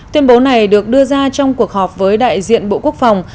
tuyên bố này được đưa ra trong cuộc họp với đại diện bộ quốc phòng